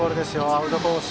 アウトコース